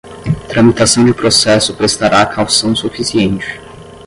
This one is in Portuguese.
tramitação de processo prestará caução suficiente